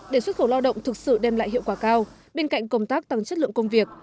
để xuất khẩu lao động thực sự đem lại hiệu quả cao bên cạnh công tác tăng chất lượng công việc